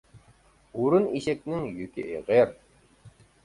ھۇرۇن ئېشەكنىڭ يۈكى ئېغىر.